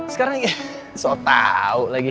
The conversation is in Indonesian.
sekarang ya so tau lagi